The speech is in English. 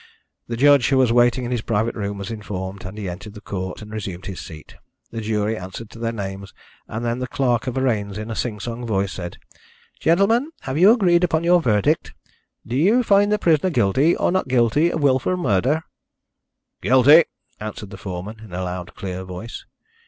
The judge, who was waiting in his private room, was informed, and he entered the court and resumed his seat. The jury answered to their names, and then the Clerk of Arraigns, in a sing song voice, said: "Gentlemen, have you agreed upon your verdict? Do you find the prisoner guilty or not guilty of wilful murder?" "Guilty!" answered the foreman, in a loud, clear voice.